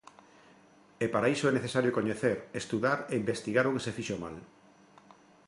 E para iso é necesario coñecer, estudar e investigar o que se fixo mal.